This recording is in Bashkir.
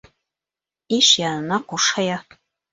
Иш янына ҡуш һыя.